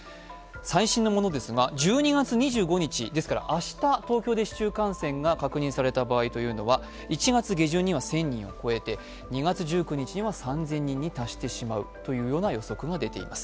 最新のものですが、１２月２５日、明日、東京で市中感染が確認された場合は１月下旬には１０００人を超えて、２月１９日には３０００人に達してしまうという予測が出ています。